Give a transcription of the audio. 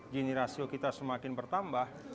gini rasio kita semakin bertambah